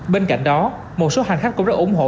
bên cạnh đó một số hành khách cũng rất ủng hộ